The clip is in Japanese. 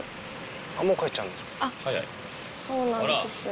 そうなんですよ